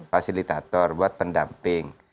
fasilitator buat pendamping